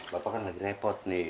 bapak kan lagi repot nih